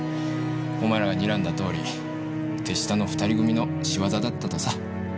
お前らがにらんだとおり手下の２人組の仕業だったとさ。